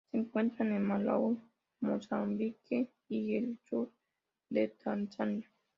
Se encuentran en Malaui, Mozambique y el sur de Tanzania.